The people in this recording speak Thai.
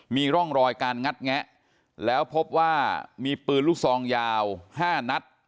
มีร่องรอยการงัดแงะแล้วพบว่ามีปืนลูกซองยาว๕นัด